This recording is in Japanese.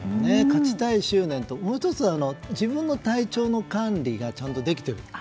勝ちたい執念ともう１つは自分の体調の管理がちゃんとできている。